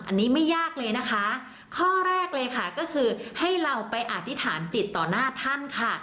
อันนี้ไม่ยากเลยนะคะข้อแรกเลยค่ะก็คือให้เราไปอธิษฐานจิตต่อหน้าท่านค่ะ